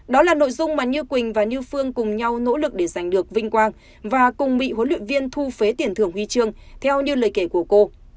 đó là nội dung mà như quỳnh và như phương cùng nhau nỗ lực để giành được vinh quang và cùng bị huấn luyện viên thu phế tiền thưởng huy chương theo như lời kể của cô